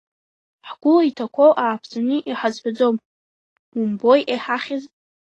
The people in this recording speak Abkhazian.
Ҳгәы иҭақәоу ааԥҵәаны иҳазҳәаӡом, умбои иҳахьыз.